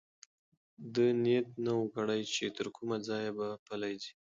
ده نیت نه و کړی چې تر کومه ځایه به پلی ځي.